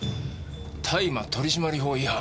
「大麻取締法違反」。